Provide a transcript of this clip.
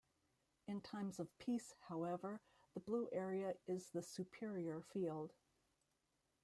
In times of peace, however, the blue area is the superior field.